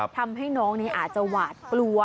ทำให้น้องนี้อาจจะหวาดกลัว